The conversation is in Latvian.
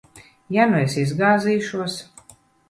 Ja nu es izgāzīšos?